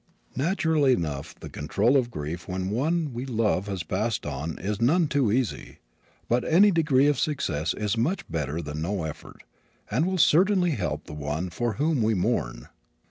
Naturally enough the control of grief when one we love has passed on is none to easy. But any degree of success is much better than no effort, and will certainly help the one for whom we mourn.